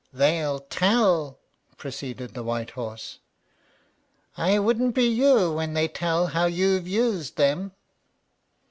"They'll TELL," proceeded the white horse. "I wouldn't be you when they tell how you've used them."